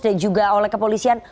dan juga oleh kepolisian